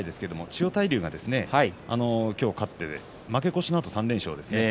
千代大龍が今日勝って負け越しのあと３連勝です。